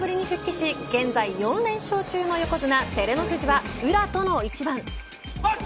４場所ぶりに復帰し現在４連勝中の横綱照ノ富士は宇良との一番。